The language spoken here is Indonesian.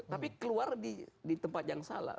tapi keluar di tempat yang salah